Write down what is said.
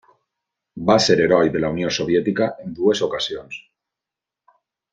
Va ser Heroi de la Unió Soviètica en dues ocasions.